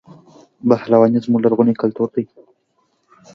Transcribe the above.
پهلواني زموږ لرغونی کلتور دی.